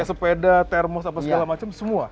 sepeda termos apa segala macam semua